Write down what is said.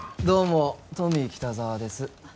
どうもトミー北沢です。